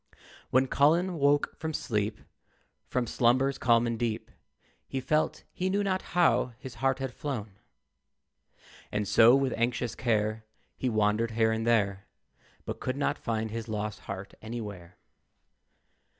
When Colin woke from sleep, From slumbers calm and deep, He felt he knew not how his heart had flown. And so, with anxious care, He wandered here and there, But could not find his lost heart anywhere.